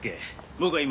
僕は今。